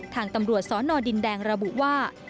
ทางตำรวจสนดินแดงระบุว่า